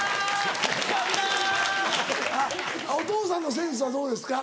お父さんのセンスはどうですか？